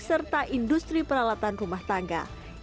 serta industri peralatan rumah tangga